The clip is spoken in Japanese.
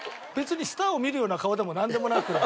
別にスターを見るような顔でもなんでもなく。